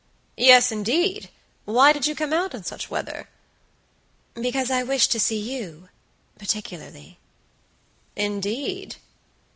"Yes, indeed! Why did you come out in such weather?" "Because I wished to see youparticularly." "Indeed!"